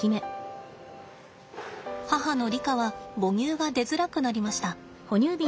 母のリカは母乳が出づらくなりました。